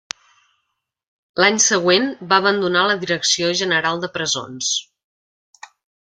L'any següent va abandonar la Direcció general de Presons.